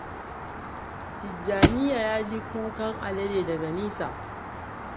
Tijjaniaa ya jiyo kukan alade daga nesa.